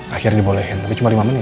akhirnya dibolehkan tapi cuma lima menit